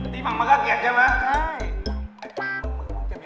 ตีมันก็เกลียดใช่ไหมใช่